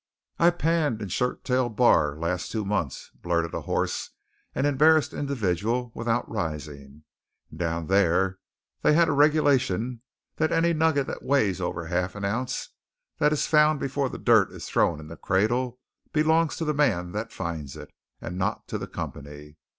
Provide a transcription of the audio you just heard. "I panned in Shirttail Bar last two months," blurted a hoarse and embarrassed individual, without rising, "and down thar they had a reg'lation that airy nugget that weighs over a half ounce that is found before the dirt is thrown in the cradle belongs to the man that finds it, and not to the company.